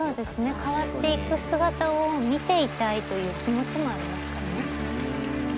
変わっていく姿を見ていたいという気持ちもありますからね。